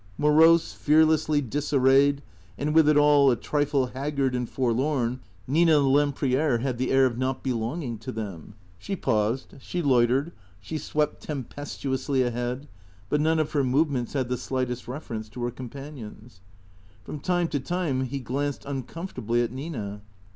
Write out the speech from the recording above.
Morose, fearlessly disarrayed, and with it all a trifle haggard and forlorn, Nina Lempriere had the air of not belonging to them. She paused, she loitered, she swept tempestuously ahead, but none of her movements had the slightest reference to her companions. From time to time he glanced uncomfortably at Nina.